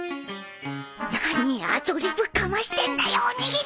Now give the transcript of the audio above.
何アドリブかましてんだよオニギリ！